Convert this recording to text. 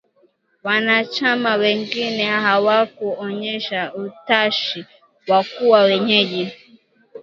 Wanachama wengine hawakuonyesha utashi wa kuwa wenyeji